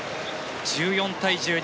１４対１２。